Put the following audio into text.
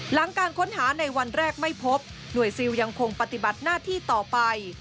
หลังการค้นหาในวันแรกไม่พบหน่วยซิลยังคงปฏิบัติหน้าที่ต่อไป